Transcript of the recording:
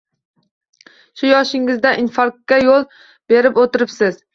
Shu yoshingizda infarktga yo‘l berib o‘tiribsiz